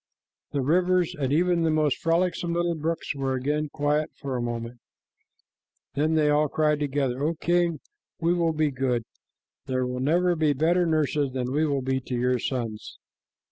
The rivers and even the most frolicsome little brooks were again quiet for a moment. Then they all cried together, "O king, we will be good. There were never better nurses than we will be to your sons."